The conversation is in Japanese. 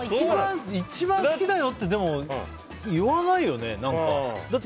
１番好きだよってでも言わないよね？